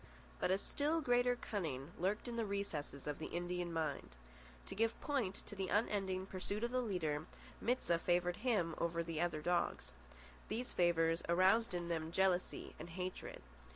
But a still greater cunning lurked in the recesses of the Indian mind. To give point to unending pursuit of the leader, Mit sah favoured him over the other dogs. These favours aroused in them jealousy and hatred.